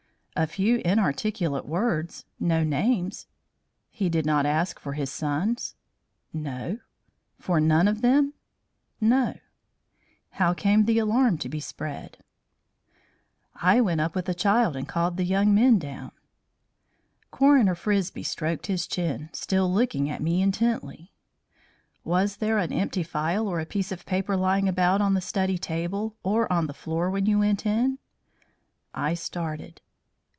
"A few inarticulate words, no names." "He did not ask for his sons?" "No." "For none of them?" "No." "How came the alarm to be spread?" "I went up with the child and called the young men down." Coroner Frisbie stroked his chin, still looking at me intently. "Was there an empty phial or a piece of paper lying about on the study table or on the floor when you went in?" I started.